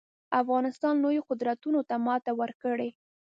افغانستان لویو قدرتونو ته ماتې ورکړي